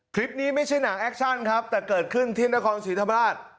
คลิปนี้ไม่ใช่หนังแอคชั่นครับแต่เกิดขึ้นที่นครศรีธรรมราช